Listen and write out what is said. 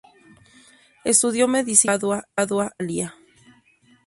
Estudió medicina en Padua, Italia.